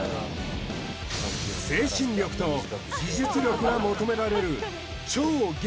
精神力と技術力が求められる